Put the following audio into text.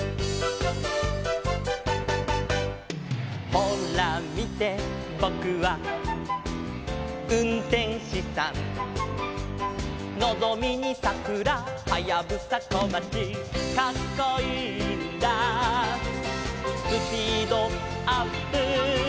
「ほらみてボクはうんてんしさん」「のぞみにさくらはやぶさこまち」「カッコいいんだスピードアップ」